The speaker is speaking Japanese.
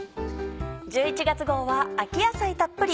１１月号は秋野菜たっぷり。